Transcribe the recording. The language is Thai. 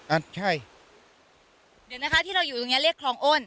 อ่ะใช่เดี๋ยวนะคะที่เราอยู่ตรงเนี้ยเรียกคลองอ้น